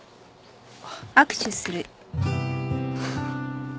あっ。